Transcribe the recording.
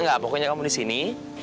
enggak pokoknya kamu disini